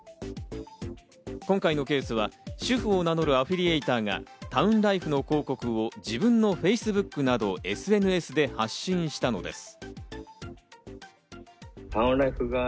今回のケースは主婦を名乗るアフィリエイターがタウンライフの広告を自分のＦａｃｅｂｏｏｋなどのＳＮＳで発信したのです。